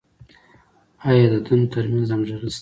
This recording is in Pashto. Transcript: آیا د دندو تر منځ همغږي شته؟